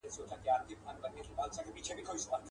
رامعلوم دي د ځنګله واړه کارونه.